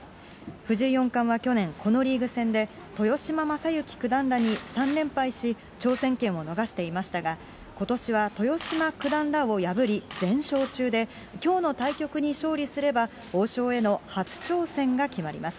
藤井四冠は去年、このリーグ戦で豊島将之九段らに３連敗し、挑戦権を逃していましたが、ことしは豊島九段らを破り、全勝中できょうの対局に勝利すれば、王将への初挑戦が決まります。